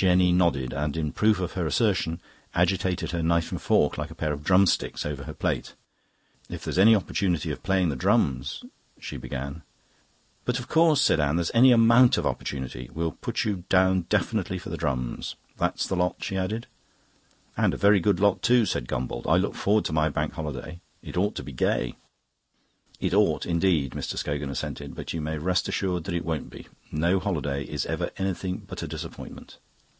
Jenny nodded, and, in proof of her assertion, agitated her knife and fork, like a pair of drumsticks, over her plate. "If there's any opportunity of playing the drums..." she began. "But of course," said Anne, "there's any amount of opportunity. We'll put you down definitely for the drums. That's the lot," she added. "And a very good lot too," said Gombauld. "I look forward to my Bank Holiday. It ought to be gay." "It ought indeed," Mr Scogan assented. "But you may rest assured that it won't be. No holiday is ever anything but a disappointment."